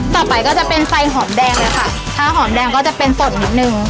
ต่อไปก็จะเป็นไฟหอมแดงเลยค่ะถ้าหอมแดงก็จะเป็นสดนิดนึง